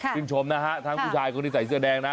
ขึ้นชมนะครับทั้งผู้ชายใส่เสื้อแดงนะ